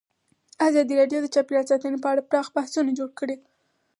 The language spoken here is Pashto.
ازادي راډیو د چاپیریال ساتنه په اړه پراخ بحثونه جوړ کړي.